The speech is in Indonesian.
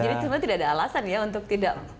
jadi cuma tidak ada alasan ya untuk tidak